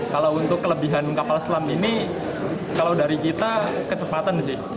kalau untuk kelebihan kapal selam ini kalau dari kita kecepatan sih